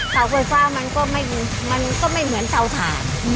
เสาไฟฟ้ามันก็ไม่เหมือนเตาถ่าน